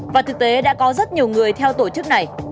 và thực tế đã có rất nhiều người theo tổ chức này